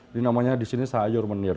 ini namanya disini sayur mendir